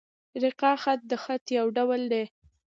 رِقاع خط؛ د خط یو ډول دﺉ.